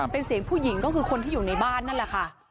เป็นเสียงผู้หญิงก็คือคนที่อยู่ในบ้านนั่นแหละค่ะ